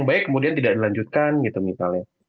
baik kemudian tidak dilanjutkan gitu misalnya